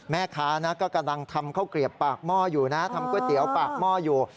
แม่ค้านะก็กำลังทำข้าวเกลียบปากหม้ออยู่นะทำก๋วยเตี๋ยวปากหม้ออยู่